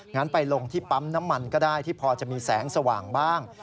งั้นไปลงที่ปั๊มน้ำมันก็ได้ที่พอจะมีแสงสว่างบ้าง